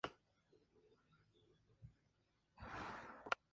Texto de la declaración